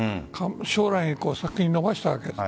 将来に先に延ばしたわけです。